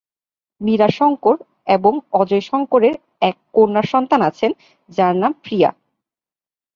মীরা শঙ্কর এবং অজয় শঙ্করের এক কন্যাসন্তান আছেন, যাঁর নাম প্রিয়া।